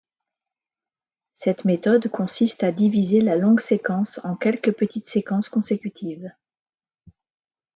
Cette méthode consiste à diviser la longue séquence en quelques petites séquences consécutives.